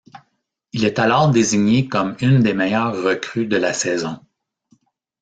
Il est alors désigné comme une des meilleures recrues de la saison.